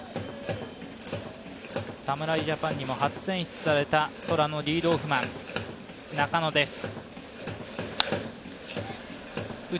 侍ジャパンにも初選出された虎のリードオフマン、中野です。